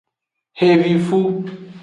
Xevifu yo.